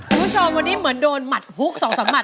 คุณผู้ชมวันนี้เหมือนโดนหมัดฮุก๒๓หัด